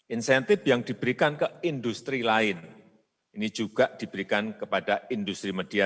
insentif yang diberikan ke industri lain ini juga diberikan kepada industri media